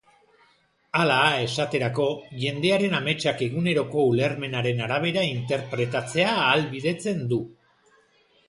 Hala, esaterako, jendearen ametsak eguneroko ulermenaren arabera interpretatzea ahalbidetzen du.